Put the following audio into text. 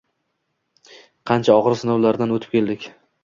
Qancha ogir sinovlardan utib keldik